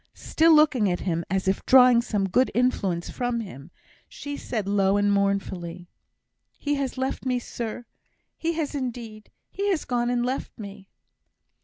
Still looking at him, as if drawing some good influence from him, she said low and mournfully, "He has left me, sir! sir, he has indeed he has gone and left me!"